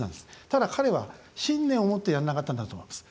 ただ、彼は信念を持ってやらなかったんだと思います。